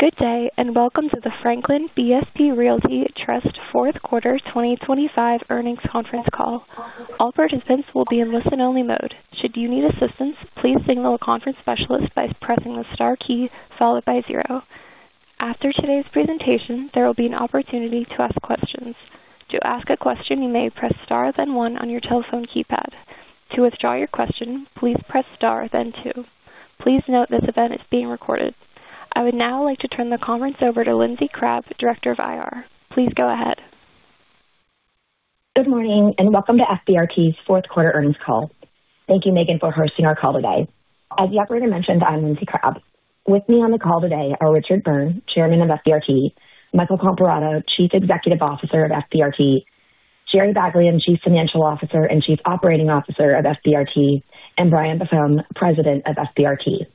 Good day, and welcome to the Franklin BSP Realty Trust Fourth Quarter 2025 Earnings Conference Call. All participants will be in listen-only mode. Should you need assistance, please signal a conference specialist by pressing the star key followed by zero. After today's presentation, there will be an opportunity to ask questions. To ask a question, you may press star, then one on your telephone keypad. To withdraw your question, please press star, then two. Please note this event is being recorded. I would now like to turn the conference over to Lindsey Crabbe, Director of IR. Please go ahead. Good morning, and welcome to FBRT's Fourth Quarter Earnings Call. Thank you, Megan, for hosting our call today. As the operator mentioned, I'm Lindsey Crabbe. With me on the call today are Richard Byrne, Chairman of FBRT; Michael Comparato, Chief Executive Officer of FBRT; Jerome Baglien, Chief Financial Officer and Chief Operating Officer of FBRT; and Brian Buffone, President of FBRT.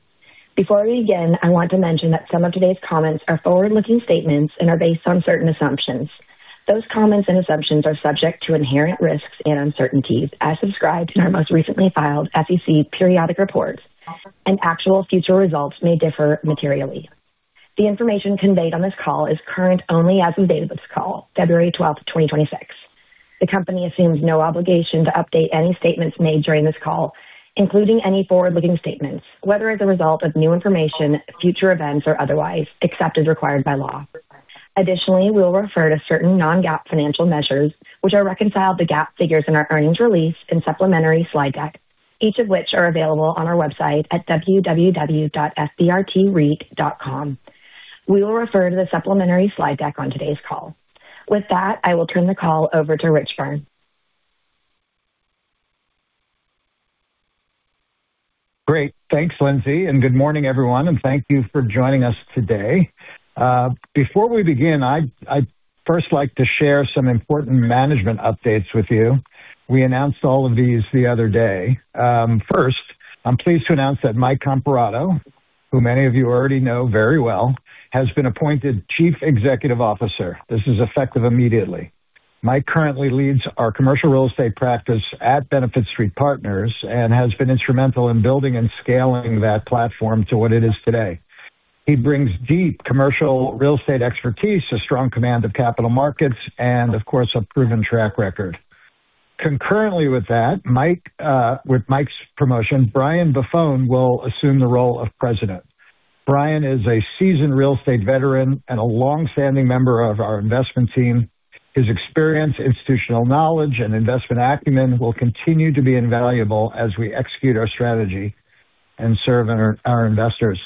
Before we begin, I want to mention that some of today's comments are forward-looking statements and are based on certain assumptions. Those comments and assumptions are subject to inherent risks and uncertainties as described in our most recently filed SEC periodic reports, and actual future results may differ materially. The information conveyed on this call is current only as of the date of this call, February 12th, 2026. The company assumes no obligation to update any statements made during this call, including any forward-looking statements, whether as a result of new information, future events, or otherwise, except as required by law. Additionally, we will refer to certain non-GAAP financial measures, which are reconciled to GAAP figures in our earnings release and supplementary slide deck, each of which are available on our website at www.fbrtreit.com. We will refer to the supplementary slide deck on today's call. With that, I will turn the call over to Rich Byrne. Great. Thanks, Lindsey, and good morning, everyone, and thank you for joining us today. Before we begin, I'd first like to share some important management updates with you. We announced all of these the other day. First, I'm pleased to announce that Mike Comparato, who many of you already know very well, has been appointed Chief Executive Officer. This is effective immediately. Mike currently leads our commercial real estate practice at Benefit Street Partners and has been instrumental in building and scaling that platform to what it is today. He brings deep commercial real estate expertise, a strong command of capital markets, and of course, a proven track record. Concurrently with that, with Mike's promotion, Brian Buffone will assume the role of President. Brian is a seasoned real estate veteran and a long-standing member of our investment team. His experience, institutional knowledge, and investment acumen will continue to be invaluable as we execute our strategy and serve our, our investors.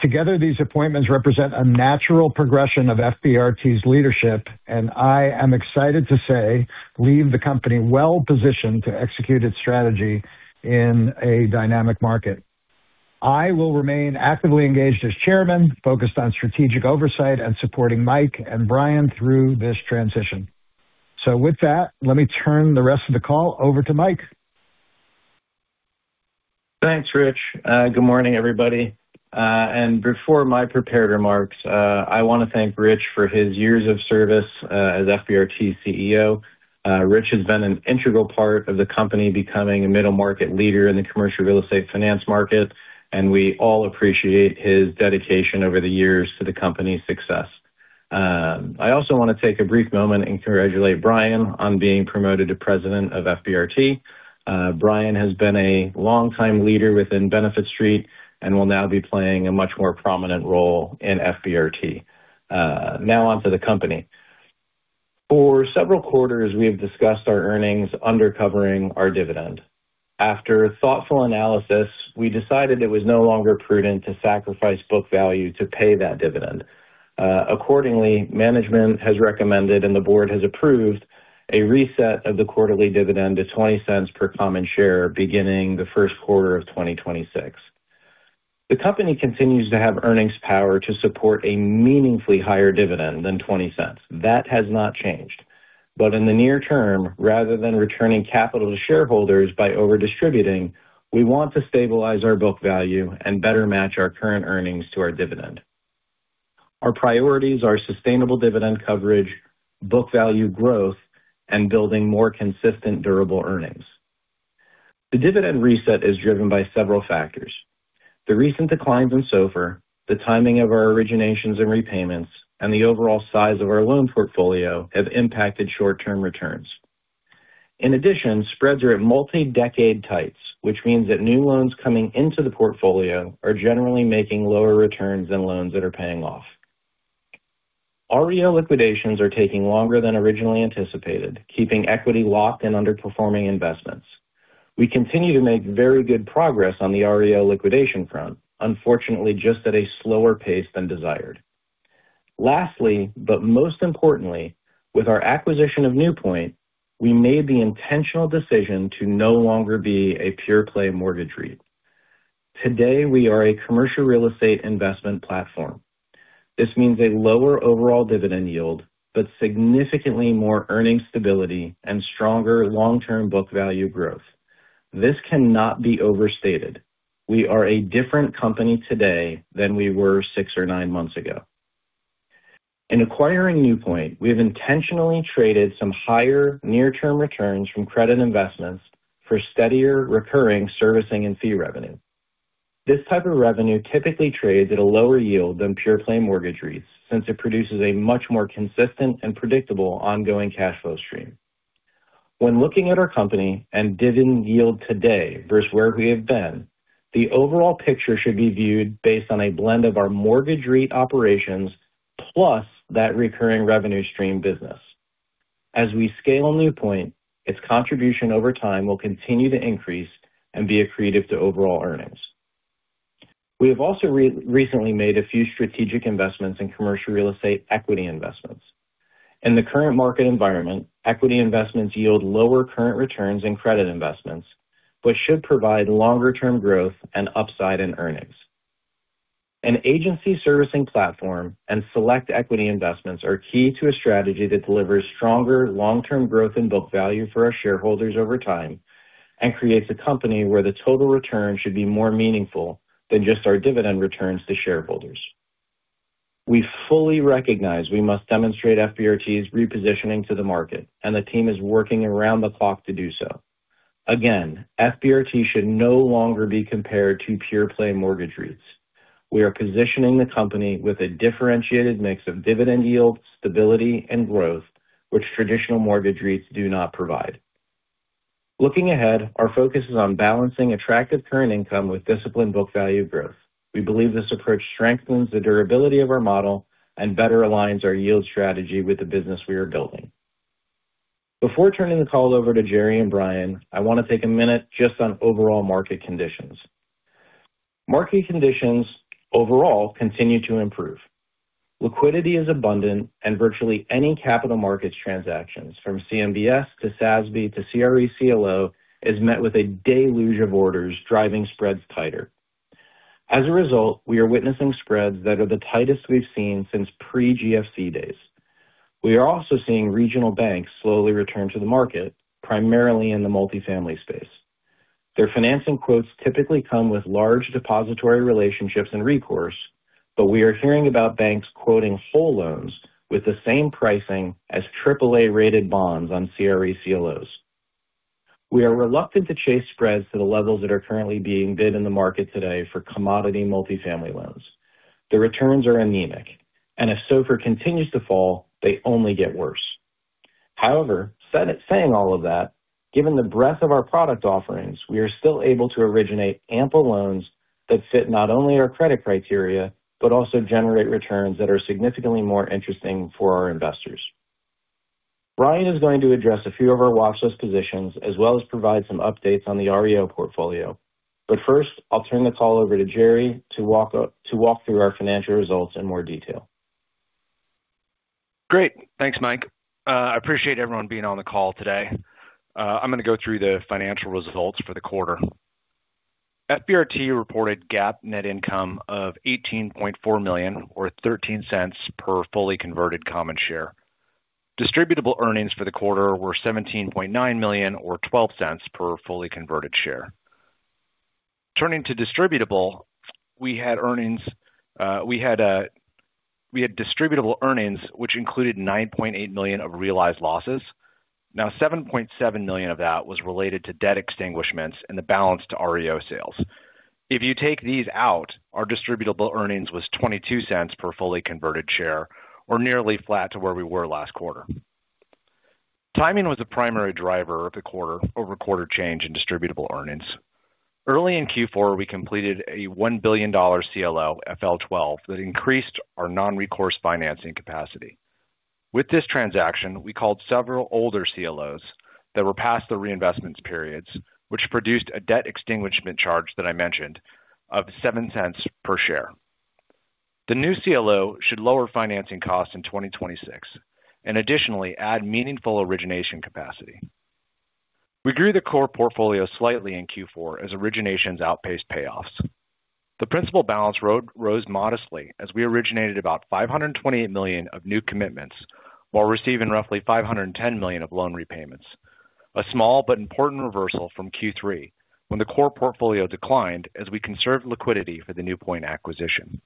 Together, these appointments represent a natural progression of FBRT's leadership, and I am excited to say, leave the company well-positioned to execute its strategy in a dynamic market. I will remain actively engaged as Chairman, focused on strategic oversight and supporting Mike and Brian through this transition. With that, let me turn the rest of the call over to Mike. Thanks, Rich. Good morning, everybody. Before my prepared remarks, I want to thank Rich for his years of service as FBRT's CEO. Rich has been an integral part of the company becoming a middle-market leader in the commercial real estate finance market, and we all appreciate his dedication over the years to the company's success. I also want to take a brief moment and congratulate Brian on being promoted to president of FBRT. Brian has been a longtime leader within Benefit Street and will now be playing a much more prominent role in FBRT. Now on to the company. For several quarters, we have discussed our earnings undercovering our dividend. After thoughtful analysis, we decided it was no longer prudent to sacrifice book value to pay that dividend. Accordingly, management has recommended, and the board has approved, a reset of the quarterly dividend to $0.20 per common share beginning the first quarter of 2026. The company continues to have earnings power to support a meaningfully higher dividend than $0.20. That has not changed. But in the near term, rather than returning capital to shareholders by over-distributing, we want to stabilize our book value and better match our current earnings to our dividend. Our priorities are sustainable dividend coverage, book value growth, and building more consistent, durable earnings. The dividend reset is driven by several factors. The recent declines in SOFR, the timing of our originations and repayments, and the overall size of our loan portfolio have impacted short-term returns. In addition, spreads are at multi-decade tights, which means that new loans coming into the portfolio are generally making lower returns than loans that are paying off. REO liquidations are taking longer than originally anticipated, keeping equity locked in underperforming investments. We continue to make very good progress on the REO liquidation front, unfortunately, just at a slower pace than desired. Lastly, but most importantly, with our acquisition of NewPoint, we made the intentional decision to no longer be a pure play mortgage REIT. Today, we are a commercial real estate investment platform. This means a lower overall dividend yield, but significantly more earning stability and stronger long-term book value growth. This cannot be overstated. We are a different company today than we were six or nine months ago. ... In acquiring NewPoint, we have intentionally traded some higher near-term returns from credit investments for steadier recurring servicing and fee revenue. This type of revenue typically trades at a lower yield than pure play mortgage REITs, since it produces a much more consistent and predictable ongoing cash flow stream. When looking at our company and dividend yield today versus where we have been, the overall picture should be viewed based on a blend of our mortgage REIT operations plus that recurring revenue stream business. As we scale on NewPoint, its contribution over time will continue to increase and be accretive to overall earnings. We have also recently made a few strategic investments in commercial real estate equity investments. In the current market environment, equity investments yield lower current returns in credit investments, but should provide longer term growth and upside in earnings. An agency servicing platform and select equity investments are key to a strategy that delivers stronger long-term growth in book value for our shareholders over time, and creates a company where the total return should be more meaningful than just our dividend returns to shareholders. We fully recognize we must demonstrate FBRT's repositioning to the market, and the team is working around the clock to do so. Again, FBRT should no longer be compared to pure play mortgage REITs. We are positioning the company with a differentiated mix of dividend yield, stability, and growth, which traditional mortgage REITs do not provide. Looking ahead, our focus is on balancing attractive current income with disciplined book value growth. We believe this approach strengthens the durability of our model and better aligns our yield strategy with the business we are building. Before turning the call over to Jerry and Brian, I want to take a minute just on overall market conditions. Market conditions overall continue to improve. Liquidity is abundant and virtually any capital markets transactions, from CMBS to SASB to CRE CLO, is met with a deluge of orders, driving spreads tighter. As a result, we are witnessing spreads that are the tightest we've seen since pre-GFC days. We are also seeing regional banks slowly return to the market, primarily in the multifamily space. Their financing quotes typically come with large depository relationships and recourse, but we are hearing about banks quoting whole loans with the same pricing as AAA-rated bonds on CRE CLOs. We are reluctant to chase spreads to the levels that are currently being bid in the market today for commodity multifamily loans. The returns are anemic, and if SOFR continues to fall, they only get worse. However, saying all of that, given the breadth of our product offerings, we are still able to originate ample loans that fit not only our credit criteria, but also generate returns that are significantly more interesting for our investors. Brian is going to address a few of our watchlist positions, as well as provide some updates on the REO portfolio. But first, I'll turn the call over to Jerry to walk through our financial results in more detail. Great. Thanks, Mike. I appreciate everyone being on the call today. I'm going to go through the financial results for the quarter. FBRT reported GAAP net income of $18.4 million, or $0.13 per fully converted common share. Distributable earnings for the quarter were $17.9 million, or $0.12 per fully converted share. Turning to distributable earnings, which included $9.8 million of realized losses. Now, $7.7 million of that was related to debt extinguishments and the balance to REO sales. If you take these out, our distributable earnings was $0.22 per fully converted share, or nearly flat to where we were last quarter. Timing was the primary driver of the quarter-over-quarter change in distributable earnings. Early in Q4, we completed a $1 billion CLO, FL12, that increased our non-recourse financing capacity. With this transaction, we called several older CLOs that were past the reinvestment periods, which produced a debt extinguishment charge that I mentioned of $0.07 per share. The new CLO should lower financing costs in 2026 and additionally add meaningful origination capacity. We grew the core portfolio slightly in Q4 as originations outpaced payoffs. The principal balance rose modestly as we originated about $528 million of new commitments, while receiving roughly $510 million of loan repayments. A small but important reversal from Q3, when the core portfolio declined as we conserved liquidity for the NewPoint acquisition.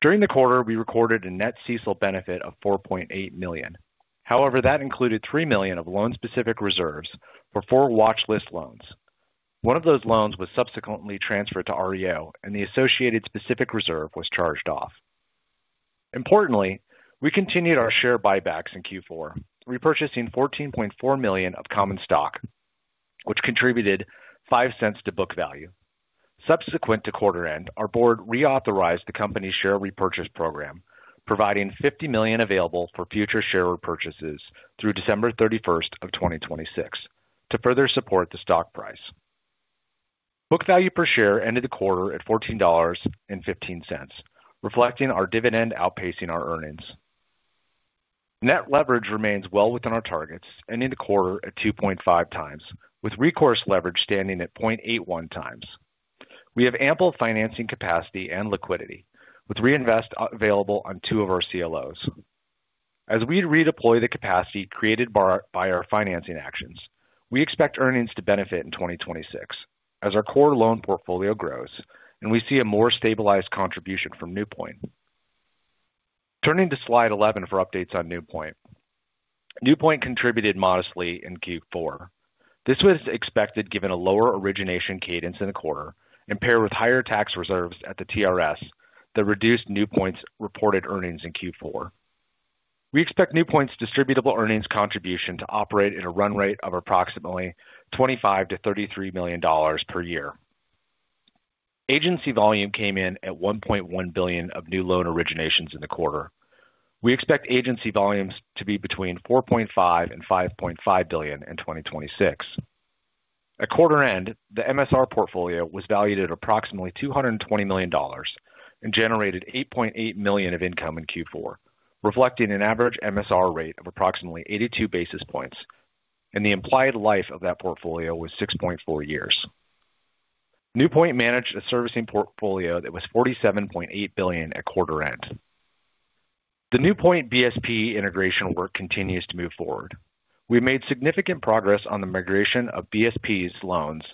During the quarter, we recorded a net CECL benefit of $4.8 million. However, that included $3 million of loan-specific reserves for four watch list loans. One of those loans was subsequently transferred to REO, and the associated specific reserve was charged off. Importantly, we continued our share buybacks in Q4, repurchasing $14.4 million of common stock, which contributed $0.05 to book value. Subsequent to quarter end, our board reauthorized the company's share repurchase program, providing $50 million available for future share repurchases through December 31st, 2026 to further support the stock price. Book value per share ended the quarter at $14.15, reflecting our dividend outpacing our earnings. Net leverage remains well within our targets and ended the quarter at 2.5x, with recourse leverage standing at 0.81x. We have ample financing capacity and liquidity, with reinvestment available on two of our CLOs. As we redeploy the capacity created by our financing actions, we expect earnings to benefit in 2026 as our core loan portfolio grows and we see a more stabilized contribution from NewPoint. Turning to Slide 11 for updates on NewPoint. NewPoint contributed modestly in Q4. This was expected given a lower origination cadence in the quarter and paired with higher tax reserves at the TRS that reduced NewPoint's reported earnings in Q4. We expect NewPoint's distributable earnings contribution to operate at a run rate of approximately $25 million-$33 million per year. Agency volume came in at $1.1 billion of new loan originations in the quarter. We expect agency volumes to be between $4.5 billion-$5.5 billion in 2026. At quarter end, the MSR portfolio was valued at approximately $220 million and generated $8.8 million of income in Q4, reflecting an average MSR rate of approximately 82 basis points, and the implied life of that portfolio was 6.4 years. NewPoint managed a servicing portfolio that was $47.8 billion at quarter end. The NewPoint BSP integration work continues to move forward. We made significant progress on the migration of BSP's loans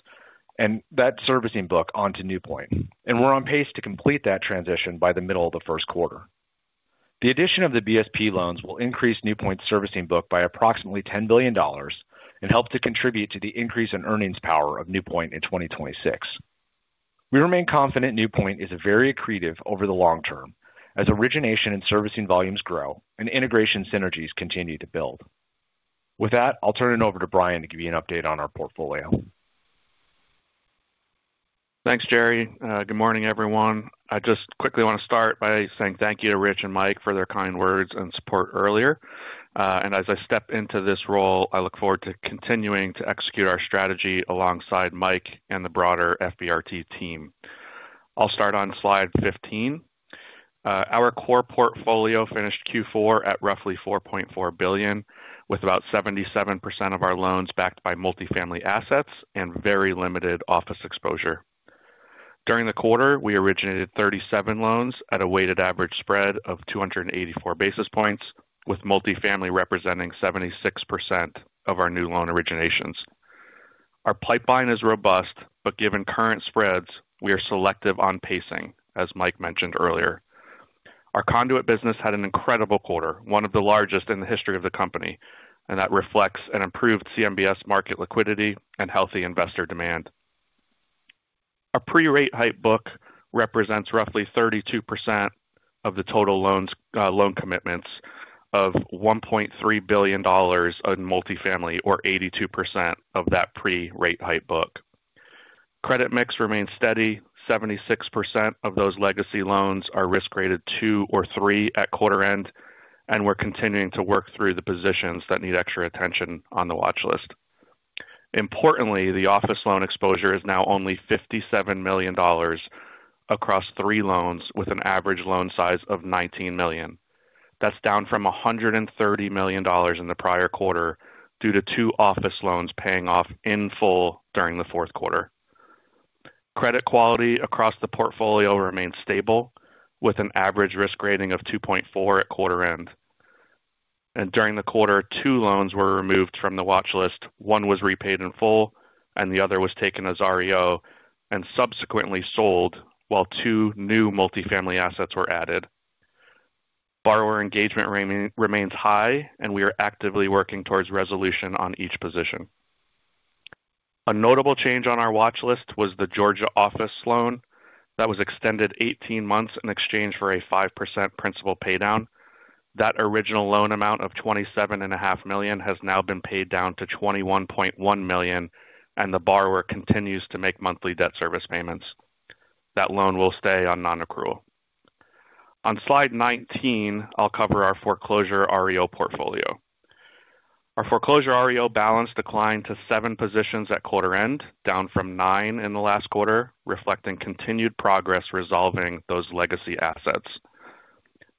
and that servicing book onto NewPoint, and we're on pace to complete that transition by the middle of the first quarter. The addition of the BSP loans will increase NewPoint's servicing book by approximately $10 billion and help to contribute to the increase in earnings power of NewPoint in 2026. We remain confident NewPoint is very accretive over the long term as origination and servicing volumes grow and integration synergies continue to build. With that, I'll turn it over to Brian to give you an update on our portfolio. Thanks, Jerry. Good morning, everyone. I just quickly want to start by saying thank you to Rich and Mike for their kind words and support earlier. And as I step into this role, I look forward to continuing to execute our strategy alongside Mike and the broader FBRT team. I'll start on slide 15. Our core portfolio finished Q4 at roughly $4.4 billion, with about 77% of our loans backed by multifamily assets and very limited office exposure. During the quarter, we originated 37 loans at a weighted average spread of 284 basis points, with multifamily representing 76% of our new loan originations. Our pipeline is robust, but given current spreads, we are selective on pacing, as Mike mentioned earlier. Our conduit business had an incredible quarter, one of the largest in the history of the company, and that reflects an improved CMBS market liquidity and healthy investor demand. Our pre-rate lock book represents roughly 32% of the total loans, loan commitments of $1.3 billion in multifamily, or 82% of that pre-rate lock book. Credit mix remains steady. 76% of those legacy loans are risk graded two or three at quarter end, and we're continuing to work through the positions that need extra attention on the watch list. Importantly, the office loan exposure is now only $57 million across three loans, with an average loan size of $19 million. That's down from $130 million in the prior quarter due to two office loans paying off in full during the fourth quarter. Credit quality across the portfolio remains stable, with an average risk rating of 2.4 at quarter end. During the quarter, two loans were removed from the watch list. One was repaid in full, and the other was taken as REO and subsequently sold, while two new multifamily assets were added. Borrower engagement remains high, and we are actively working towards resolution on each position. A notable change on our watch list was the Georgia office loan that was extended 18 months in exchange for a 5% principal paydown. That original loan amount of $27.5 million has now been paid down to $21.1 million, and the borrower continues to make monthly debt service payments. That loan will stay on nonaccrual. On slide 19, I'll cover our foreclosure REO portfolio. Our foreclosure REO balance declined to seven positions at quarter end, down from nine in the last quarter, reflecting continued progress resolving those legacy assets.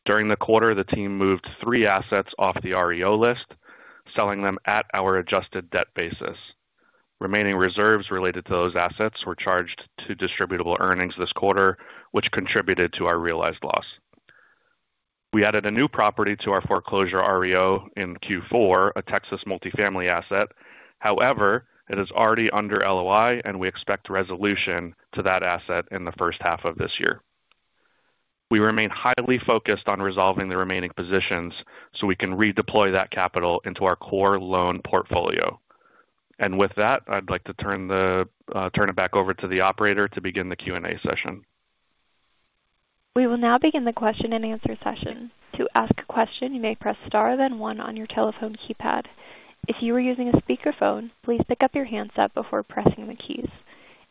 During the quarter, the team moved three assets off the REO list, selling them at our adjusted debt basis. Remaining reserves related to those assets were charged to distributable earnings this quarter, which contributed to our realized loss. We added a new property to our foreclosure REO in Q4, a Texas multifamily asset. However, it is already under LOI, and we expect resolution to that asset in the first half of this year. We remain highly focused on resolving the remaining positions so we can redeploy that capital into our core loan portfolio. And with that, I'd like to turn it back over to the operator to begin the Q&A session. We will now begin the question-and-answer session. To ask a question, you may press Star, then one on your telephone keypad. If you are using a speakerphone, please pick up your handset before pressing the keys.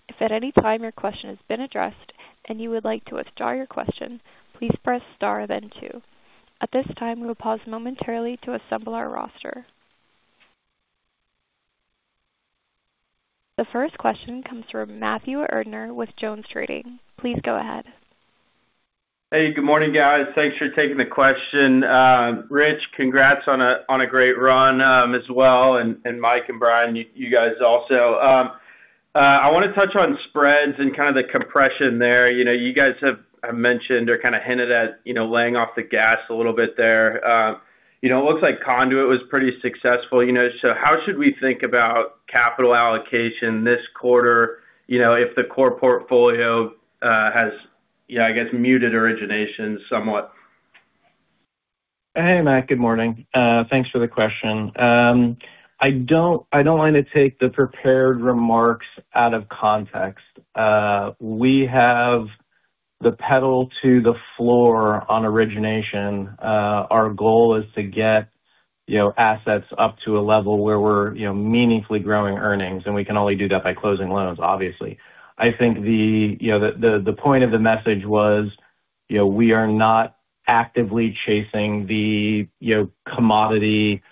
If at any time your question has been addressed and you would like to withdraw your question, please press Star, then two. At this time, we will pause momentarily to assemble our roster. The first question comes from Matthew Erdner with JonesTrading. Please go ahead. Hey, good morning, guys. Thanks for taking the question. Rich, congrats on a great run as well, and Mike and Brian, you guys also. I want to touch on spreads and kind of the compression there. You know, you guys have mentioned or kind of hinted at, you know, laying off the gas a little bit there. You know, it looks like Conduit was pretty successful, you know. So how should we think about capital allocation this quarter, you know, if the core portfolio has, I guess, muted origination somewhat? Hey, Matt. Good morning. Thanks for the question. I don't, I don't want to take the prepared remarks out of context. We have the pedal to the floor on origination. Our goal is to get, you know, assets up to a level where we're, you know, meaningfully growing earnings, and we can only do that by closing loans, obviously. I think the, you know, the, the point of the message was, you know, we are not actively chasing the, you know, commodity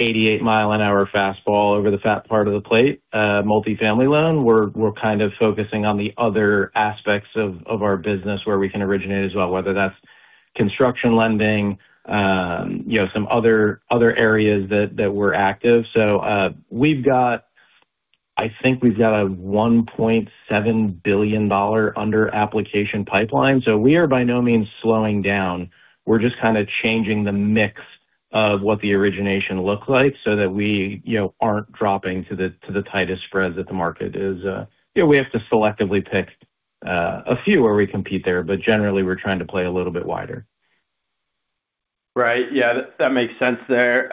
88-mi-an-hour fastball over the fat part of the plate, multifamily loan. We're, we're kind of focusing on the other aspects of, of our business where we can originate as well, whether that's construction lending, you know, some other, other areas that, that we're active. So, we've got. I think we've got a $1.7 billion under application pipeline, so we are by no means slowing down. We're just kind of changing the mix of what the origination looks like so that we, you know, aren't dropping to the tightest spreads that the market is. You know, we have to selectively pick a few where we compete there, but generally, we're trying to play a little bit wider. Right. Yeah, that makes sense there.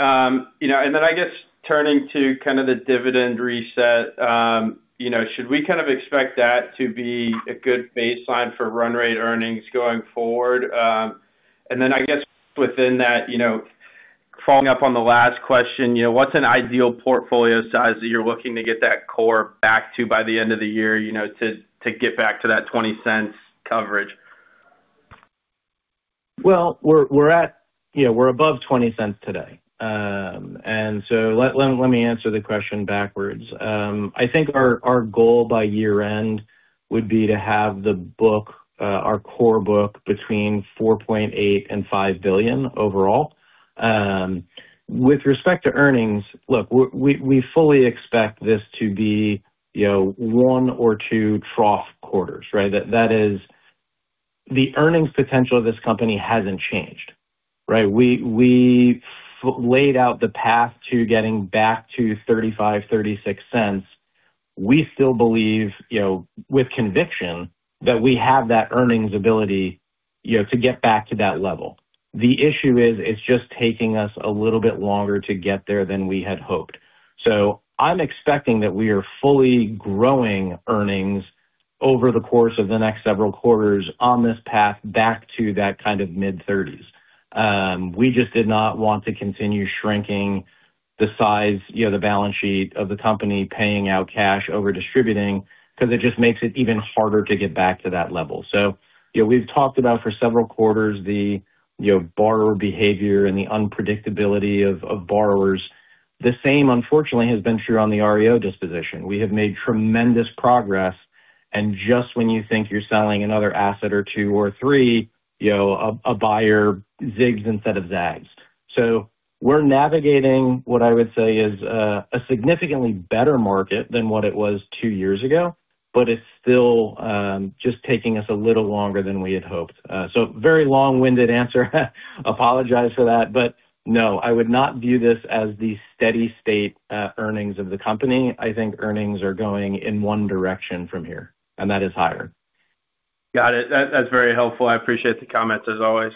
You know, and then I guess turning to kind of the dividend reset, you know, should we kind of expect that to be a good baseline for run rate earnings going forward? And then I guess within that, you know, following up on the last question, you know, what's an ideal portfolio size that you're looking to get that core back to by the end of the year, you know, to get back to that $0.20 coverage? Well, we're at... You know, we're above $0.20 today. And so let me answer the question backwards. I think our goal by year end would be to have the book, our core book between $4.8 billion and $5 billion overall. With respect to earnings, look, we fully expect this to be, you know, one or two trough quarters, right? That is, the earnings potential of this company hasn't changed, right? We laid out the path to getting back to $0.35-$0.36. We still believe, you know, with conviction, that we have that earnings ability, you know, to get back to that level. The issue is, it's just taking us a little bit longer to get there than we had hoped. So I'm expecting that we are fully growing earnings over the course of the next several quarters on this path back to that kind of mid-thirties. We just did not want to continue shrinking the size, you know, the balance sheet of the company, paying out cash over distributing, because it just makes it even harder to get back to that level. So, you know, we've talked about for several quarters the, you know, borrower behavior and the unpredictability of borrowers. The same, unfortunately, has been true on the REO disposition. We have made tremendous progress, and just when you think you're selling another asset or two or three, you know, a buyer zigs instead of zags. So we're navigating what I would say is a significantly better market than what it was two years ago, but it's still just taking us a little longer than we had hoped. So very long-winded answer. Apologize for that. But no, I would not view this as the steady state earnings of the company. I think earnings are going in one direction from here, and that is higher. Got it. That, that's very helpful. I appreciate the comments, as always.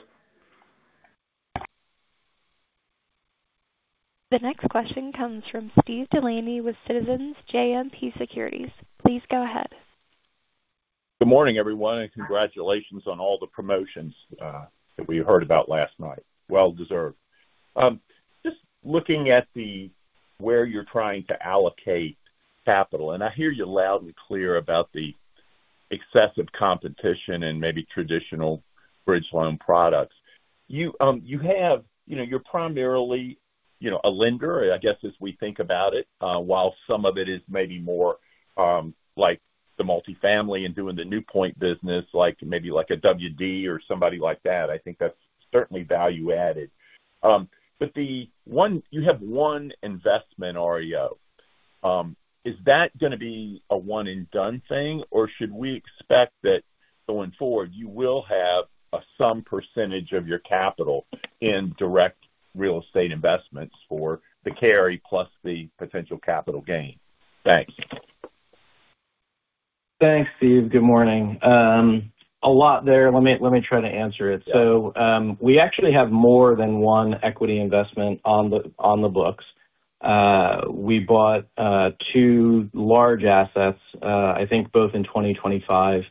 The next question comes from Steve Delaney with Citizens JMP Securities. Please go ahead. Good morning, everyone, and congratulations on all the promotions that we heard about last night. Well deserved. Just looking at the way you're trying to allocate capital, and I hear you loud and clear about the excessive competition and maybe traditional bridge loan products. You—you know, you're primarily, you know, a lender, I guess, as we think about it, while some of it is maybe more like the multifamily and doing the NewPoint business, like maybe like a WD or somebody like that. I think that's certainly value added. But the one—you have one investment REO. Is that going to be a one-and-done thing, or should we expect that going forward, you will have some percentage of your capital in direct real estate investments for the carry plus the potential capital gain? Thank you. Thanks, Steve. Good morning. A lot there. Let me, let me try to answer it. So, we actually have more than one equity investment on the, on the books. We bought two large assets, I think both in 2025,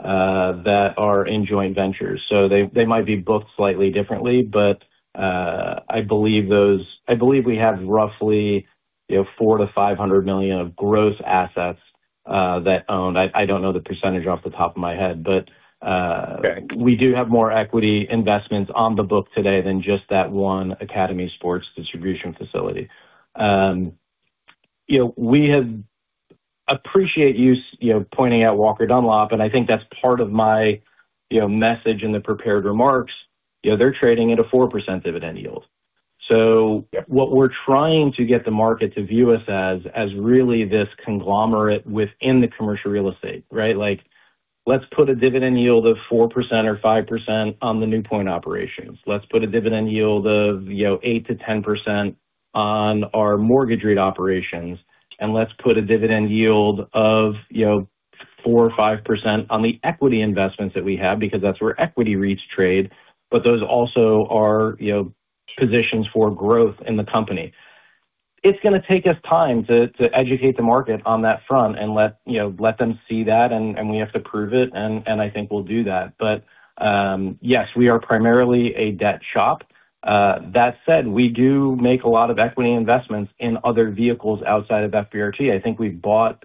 that are in joint ventures. So they, they might be booked slightly differently, but, I believe those—I believe we have roughly, you know, $400 million-$500 million of gross assets that owned. I, I don't know the percentage off the top of my head, but, Okay. We do have more equity investments on the book today than just that one Academy Sports distribution facility. You know, we have. Appreciate you, you know, pointing out Walker & Dunlop, and I think that's part of my, you know, message in the prepared remarks, you know, they're trading at a 4% dividend yield. So what we're trying to get the market to view us as, as really this conglomerate within the commercial real estate, right? Like, let's put a dividend yield of 4% or 5% on the NewPoint operations. Let's put a dividend yield of, you know, 8%-10% on our mortgage REIT operations, and let's put a dividend yield of, you know, 4% or 5% on the equity investments that we have, because that's where equity REITs trade. But those also are, you know, positions for growth in the company. It's going to take us time to educate the market on that front and let you know let them see that, and we have to prove it, and I think we'll do that. But, yes, we are primarily a debt shop. That said, we do make a lot of equity investments in other vehicles outside of FBRT. I think we've bought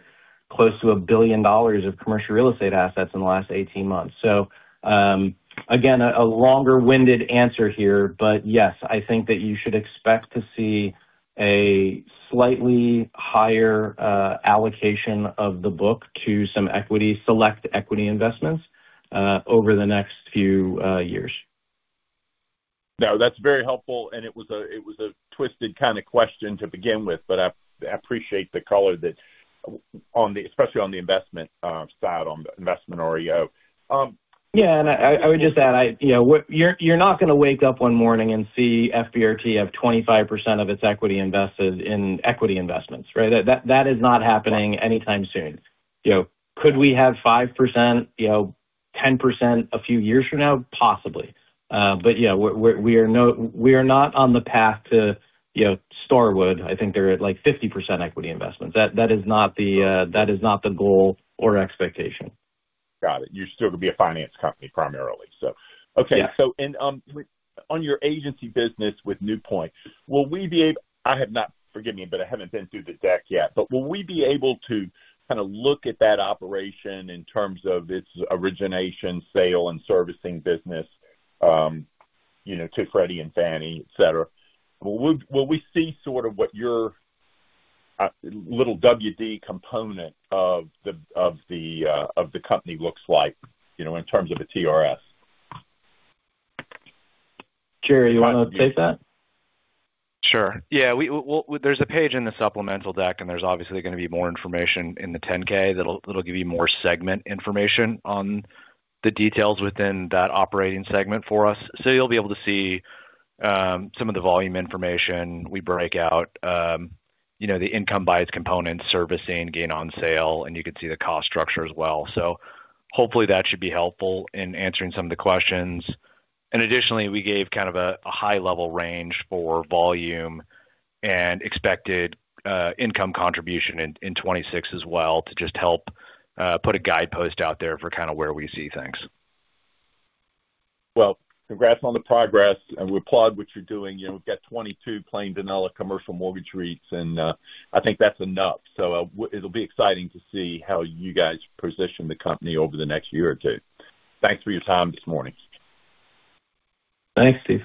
close to $1 billion of commercial real estate assets in the last 18 months. So, again, a longer-winded answer here, but yes, I think that you should expect to see a slightly higher allocation of the book to some equity-select equity investments over the next few years. Now, that's very helpful, and it was a twisted kind of question to begin with, but I appreciate the color that on the, especially on the investment side, on the investment REO. Yeah, and I would just add, you know, you're not going to wake up one morning and see FBRT have 25% of its equity invested in equity investments, right? That is not happening anytime soon. You know, could we have 5%, you know, 10% a few years from now? Possibly. But, yeah, we are not on the path to, you know, Starwood. I think they're at, like, 50% equity investments. That is not the goal or expectation. Got it. You're still going to be a finance company primarily. So, okay. Yeah. On your agency business with NewPoint, will we be able... Forgive me, but I haven't been through the deck yet. But will we be able to kind of look at that operation in terms of its origination, sale, and servicing business, you know, to Freddie and Fannie, et cetera? Will we see sort of what your little WD component of the company looks like, you know, in terms of a TRS? Jerome, you want to take that? Sure. Yeah, we- well, there's a page in the supplemental deck, and there's obviously going to be more information in the 10-K that'll give you more segment information on the details within that operating segment for us. So you'll be able to see some of the volume information we break out. You know, the income by its components, servicing, gain on sale, and you can see the cost structure as well. So hopefully that should be helpful in answering some of the questions. And additionally, we gave kind of a high level range for volume and expected income contribution in 2026 as well, to just help put a guidepost out there for kind of where we see things. Well, congrats on the progress, and we applaud what you're doing. You know, we've got 22 plain vanilla commercial mortgage REITs, and I think that's enough. So it'll be exciting to see how you guys position the company over the next year or two. Thanks for your time this morning. Thanks, Steve.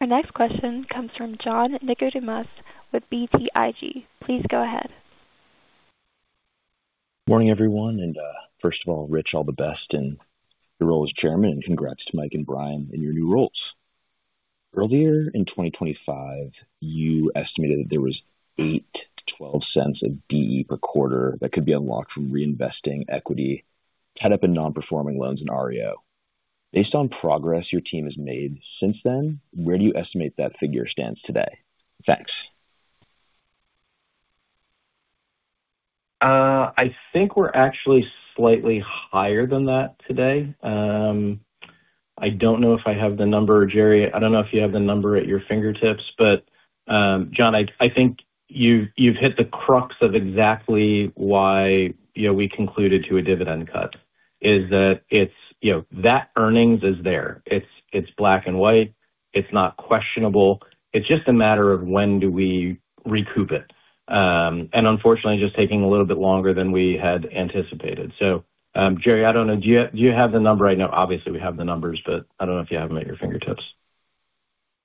Our next question comes from John Nicodemus with BTIG. Please go ahead. Morning, everyone, and, first of all, Rich, all the best in your role as chairman, and congrats to Mike and Brian in your new roles. Earlier in 2025, you estimated that there was $0.08-$0.12 of BE per quarter that could be unlocked from reinvesting equity tied up in non-performing loans in REO. Based on progress your team has made since then, where do you estimate that figure stands today? Thanks. I think we're actually slightly higher than that today. I don't know if I have the number. Jerry, I don't know if you have the number at your fingertips, but, John, I think you've hit the crux of exactly why, you know, we concluded to a dividend cut, is that it's, you know, that earnings is there. It's black and white. It's not questionable. It's just a matter of when do we recoup it? And unfortunately, just taking a little bit longer than we had anticipated. So, Jerry, I don't know, do you have the number? I know obviously we have the numbers, but I don't know if you have them at your fingertips.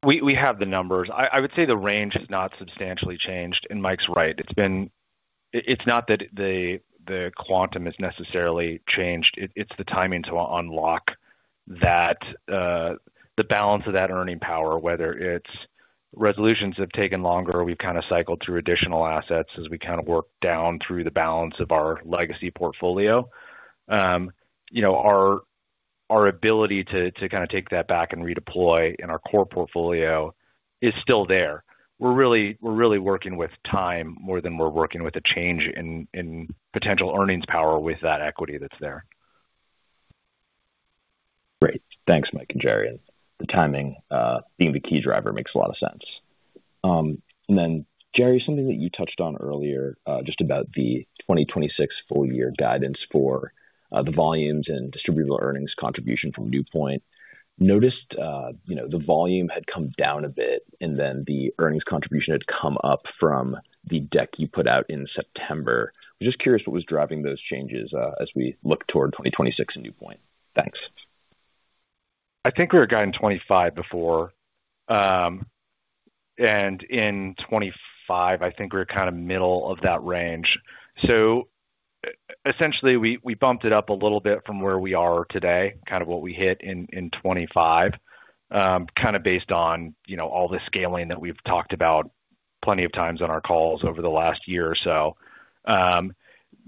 We have the numbers. I would say the range has not substantially changed, and Mike's right. It's been... It's not that the quantum has necessarily changed. It's the timing to unlock that, the balance of that earning power, whether it's resolutions have taken longer, we've kind of cycled through additional assets as we kind of work down through the balance of our legacy portfolio. You know, our ability to kind of take that back and redeploy in our core portfolio is still there. We're really working with time more than we're working with a change in potential earnings power with that equity that's there. Great. Thanks, Mike and Jerry. The timing, being the key driver makes a lot of sense. And then, Jerry, something that you touched on earlier, just about the 2026 full year guidance for, the volumes and distributable earnings contribution from NewPoint. Noticed, you know, the volume had come down a bit, and then the earnings contribution had come up from the deck you put out in September. I'm just curious what was driving those changes, as we look toward 2026 in NewPoint. Thanks. I think we were guiding 2025 before. And in 2025, I think we're kind of middle of that range. So-... essentially, we bumped it up a little bit from where we are today, kind of what we hit in 2025, kind of based on, you know, all the scaling that we've talked about plenty of times on our calls over the last year or so.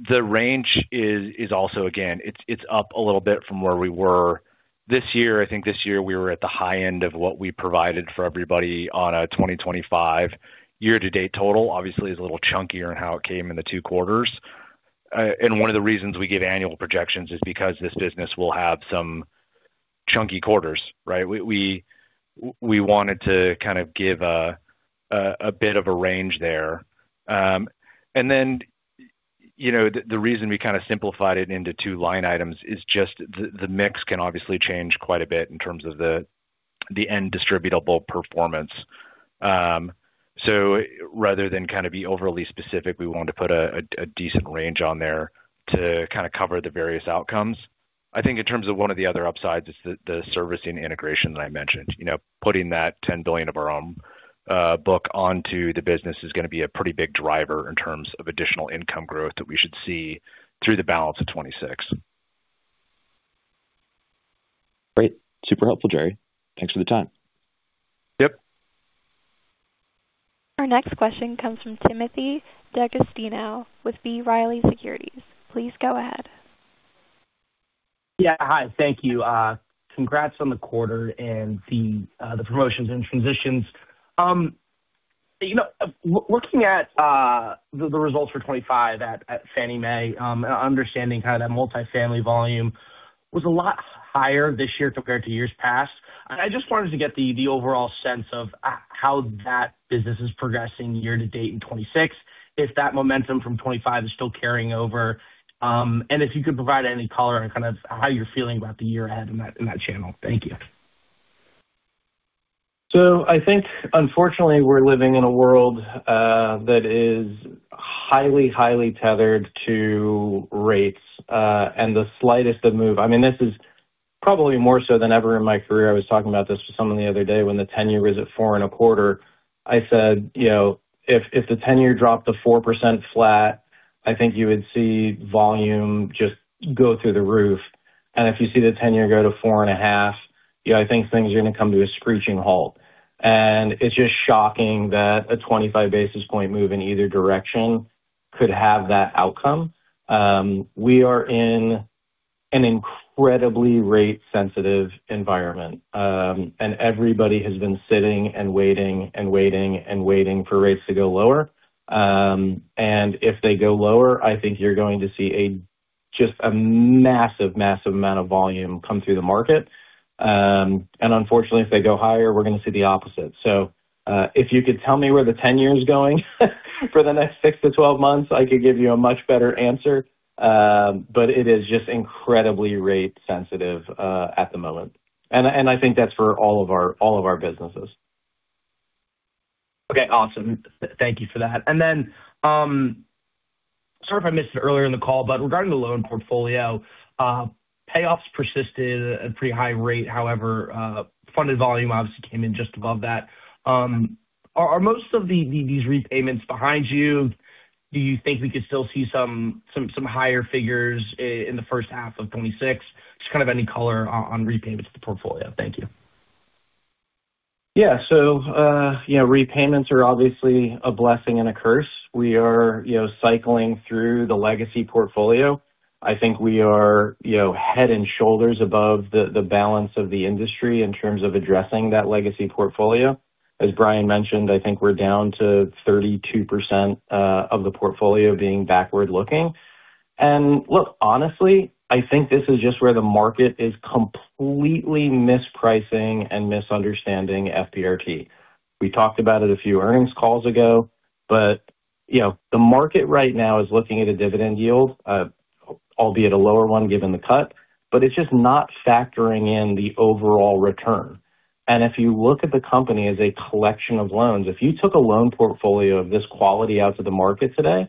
The range is also again, it's up a little bit from where we were this year. I think this year we were at the high end of what we provided for everybody on a 2025 year-to-date total. Obviously, it's a little chunkier in how it came in the two quarters. One of the reasons we give annual projections is because this business will have some chunky quarters, right? We wanted to kind of give a bit of a range there. And then, you know, the reason we kind of simplified it into two line items is just the mix can obviously change quite a bit in terms of the end distributable performance. So rather than kind of be overly specific, we wanted to put a decent range on there to kind of cover the various outcomes. I think in terms of one of the other upsides is the servicing integration that I mentioned. You know, putting that $10 billion of our own book onto the business is going to be a pretty big driver in terms of additional income growth that we should see through the balance of 2026. Great. Super helpful, Jerry. Thanks for the time. Yep. Our next question comes from Timothy D'Agostino with B. Riley Securities. Please go ahead. Yeah. Hi, thank you. Congrats on the quarter and the promotions and transitions. You know, looking at the results for 2025 at Fannie Mae, and understanding kind of that multifamily volume was a lot higher this year compared to years past. I just wanted to get the overall sense of how that business is progressing year to date in 2026, if that momentum from 2025 is still carrying over. And if you could provide any color on kind of how you're feeling about the year ahead in that channel. Thank you. So I think unfortunately, we're living in a world that is highly, highly tethered to rates, and the slightest of move. I mean, this is probably more so than ever in my career. I was talking about this to someone the other day when the ten-year was at 4.25. I said, "You know, if, if the ten-year dropped to 4% flat, I think you would see volume just go through the roof. And if you see the ten-year go to 4.5, you know, I think things are going to come to a screeching halt." And it's just shocking that a 25 basis point move in either direction could have that outcome. We are in an incredibly rate sensitive environment, and everybody has been sitting and waiting and waiting and waiting for rates to go lower. And if they go lower, I think you're going to see a just a massive, massive amount of volume come through the market. And unfortunately, if they go higher, we're going to see the opposite. So, if you could tell me where the 10-year is going for the next six to 12 months, I could give you a much better answer. But it is just incredibly rate sensitive at the moment. And I think that's for all of our, all of our businesses. Okay, awesome. Thank you for that. And then, sorry if I missed it earlier in the call, but regarding the loan portfolio, payoffs persisted at a pretty high rate. However, funded volume obviously came in just above that. Are most of these repayments behind you? Do you think we could still see some higher figures in the first half of 2026? Just kind of any color on repayments to the portfolio. Thank you. Yeah. So, you know, repayments are obviously a blessing and a curse. We are, you know, cycling through the legacy portfolio. I think we are, you know, head and shoulders above the, the balance of the industry in terms of addressing that legacy portfolio. As Brian mentioned, I think we're down to 32%, of the portfolio being backward-looking. And look, honestly, I think this is just where the market is completely mispricing and misunderstanding FBRT. We talked about it a few earnings calls ago, but, you know, the market right now is looking at a dividend yield, albeit a lower one, given the cut, but it's just not factoring in the overall return. And if you look at the company as a collection of loans, if you took a loan portfolio of this quality out to the market today,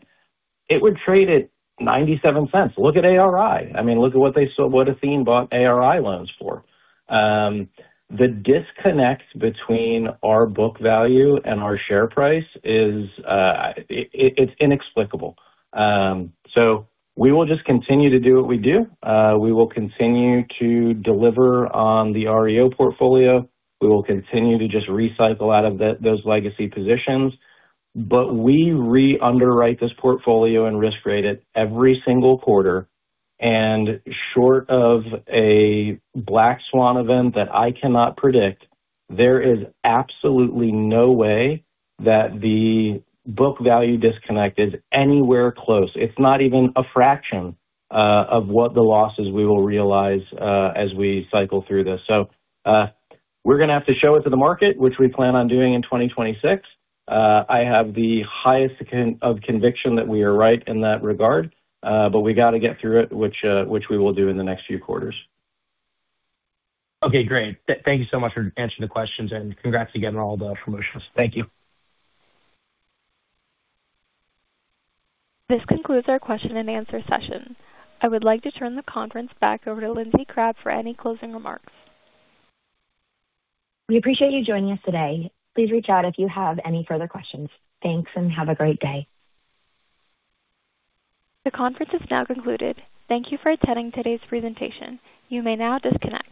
it would trade at $0.97. Look at ARI. I mean, look at what they sold, what Athene bought ARI loans for. The disconnect between our book value and our share price is, it, it's inexplicable. So we will just continue to do what we do. We will continue to deliver on the REO portfolio. We will continue to just recycle out of those legacy positions. But we re-underwrite this portfolio and risk rate it every single quarter, and short of a black swan event that I cannot predict, there is absolutely no way that the book value disconnect is anywhere close. It's not even a fraction, of what the losses we will realize, as we cycle through this. So, we're going to have to show it to the market, which we plan on doing in 2026. I have the highest conviction that we are right in that regard, but we got to get through it, which we will do in the next few quarters. Okay, great. Thank you so much for answering the questions, and congrats again on all the promotions. Thank you. This concludes our question and answer session. I would like to turn the conference back over to Lindsey Crabbe for any closing remarks. We appreciate you joining us today. Please reach out if you have any further questions. Thanks, and have a great day. The conference is now concluded. Thank you for attending today's presentation. You may now disconnect.